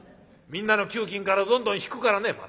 みんなの給金からどんどん引くからね